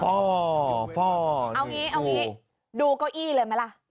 เอาอย่างนี้ดูเก้าอี้เลยไหมล่ะ